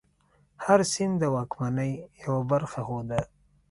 هر سند د واکمنۍ یوه برخه ښودله.